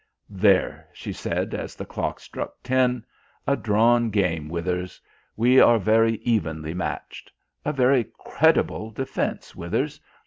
"There," she said, as the clock struck ten "a drawn game, Withers. We are very evenly matched. A very creditable defence, Withers.